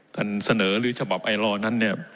กันเสนอหรือฉบับไอลอร์นั้น